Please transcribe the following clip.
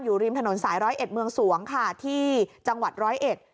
ริมถนนสายร้อยเอ็ดเมืองสวงค่ะที่จังหวัดร้อยเอ็ด